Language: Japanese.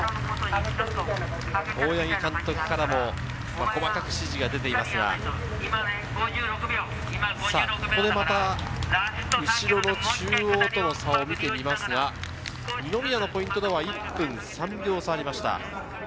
大八木監督からも細かく指示が出ていますが、ここでまた、後ろの中央との差を見てみますが、二宮のポイントでは１分３秒差がありました。